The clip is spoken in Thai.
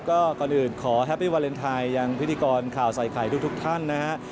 ก็ก่อนอื่นขอแฮปปี้วาเลนไทยยังพิธีกรข่าวใส่ไข่ทุกท่านนะฮะ